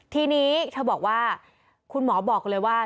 ทีนี้เธอบอกว่าคุณหมอบอกเลยว่า